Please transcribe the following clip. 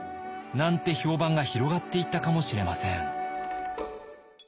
なんて評判が広がっていったかもしれません。